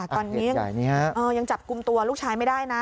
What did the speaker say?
ตอนนี้ยังจับกลุ่มตัวลูกชายไม่ได้นะ